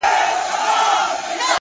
ستا د لپي په رڼو اوبو کي گراني ـ